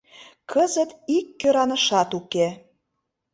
Кызыт ик кӧранышат уке.